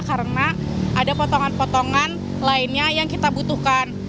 karena ada potongan potongan lainnya yang kita butuhkan